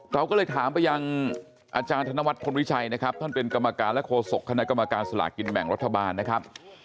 เราก็เลยถามไปยังอาจารย์ธนวัฒนพลวิชัยนะครับท่านเป็นกรรมการและโฆษกคณะกรรมการสลากินแบ่งรัฐบาลนะครับ